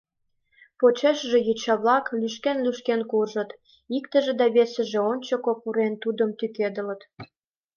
Почешыже йоча-влак лӱшкен-лӱшкен куржыт, иктыже да весыже, ончыко пурен, тудым тӱкедылыт